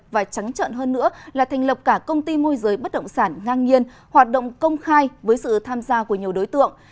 và trắng trợn hơn nữa là thành lập cả công ty môi giới bất động sản ngang nhiên hoạt động công khai với sự tham gia của nhiều đối tượng